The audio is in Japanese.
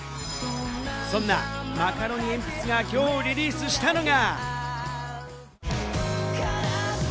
そんなマカロニえんぴつがきょうリリースしたのが。